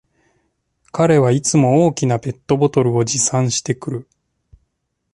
彼はいつも大きなペットボトルを持参してくる